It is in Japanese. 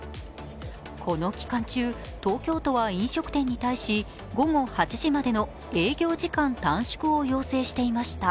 この期間中、東京都は飲食店に対し午後８時までの営業時短短縮を要請していました。